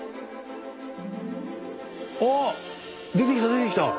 ああ出てきた出てきた！